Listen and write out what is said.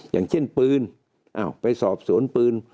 อย่างเช่นปืนไปสอบสวนปืน